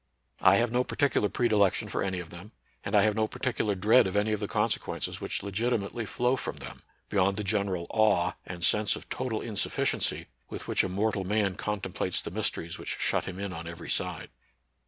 I have no particular predilec tion for any of them ; and I have no particular dread of any of the consequences which legiti mately flow from them, beyond the general awe and sense of total insufficiency with which a mortal man contemplates the mysteries which shut him in on every side.